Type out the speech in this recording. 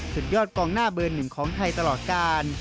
สุดยอดกองหน้าเบอร์หนึ่งของไทยตลอดการ